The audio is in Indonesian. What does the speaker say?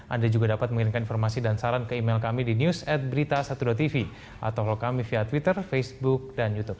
anda juga dapat mengirimkan informasi dan saran ke email kami di news ad berita satu tv atau kami via twitter facebook dan youtube